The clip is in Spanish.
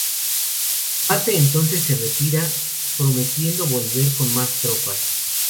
Marte entonces se retira, prometiendo volver con más tropas.